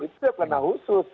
itu tidak pidana khusus